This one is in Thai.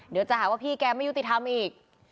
เดี๋ยวจะหาว่าพี่แกไม่ยุติธรรมอีก